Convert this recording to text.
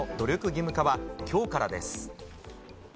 義務化はきょうからです。